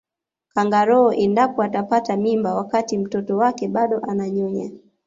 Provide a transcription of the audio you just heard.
kangaroo endapo atapata mimba wakati mtoto wake bado ananyonya